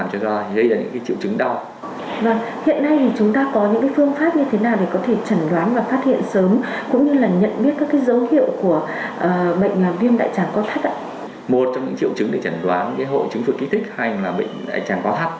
một trong những triệu chứng để trần đoán hội chứng phức kích thích hay là bệnh đại tràng co thắt